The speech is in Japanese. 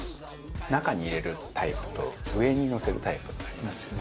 中に入れるタイプと上にのせるタイプがありますよね。